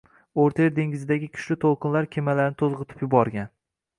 O‘rta Yer dengizidagi kuchli to‘lqinlar kemalarini to‘zitib yuborgan,.